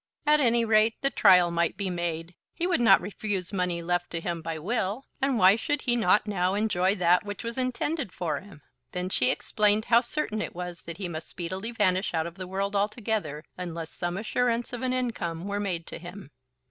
At any rate the trial might be made. He would not refuse money left to him by will, and why should he not now enjoy that which was intended for him? Then she explained how certain it was that he must speedily vanish out of the world altogether, unless some assurance of an income were made to him.